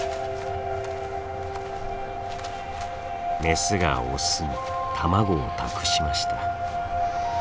メスがオスに卵を託しました。